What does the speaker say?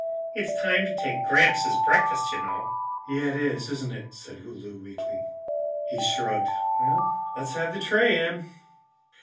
"It's time to take Gramps his breakfast, you know." "Yeah, it is, isn't it?" said Lou weakly. He shrugged. "Let's have the tray, Em."